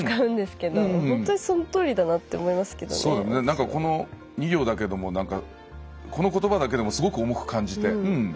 何かこの２行だけどもこの言葉だけでもすごく重く感じて。